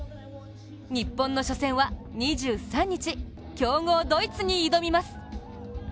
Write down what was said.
日本の初戦は２３日強豪・ドイツに挑みます。